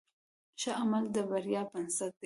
ښه عمل د بریا بنسټ دی.